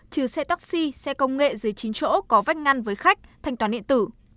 trừ xe taxi xe công nghệ dưới chín chỗ có vách ngăn với khách thanh toán điện tử